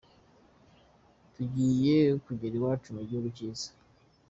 Tugiye kugera iwacu, mu gihugu cyiza…”.